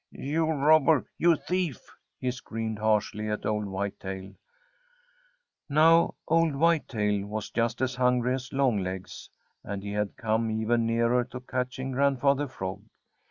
"You robber! You thief!" he screamed harshly at old Whitetail. Now old Whitetail was just as hungry as Longlegs, and he had come even nearer to catching Grandfather Frog.